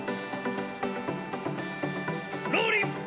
ローリン。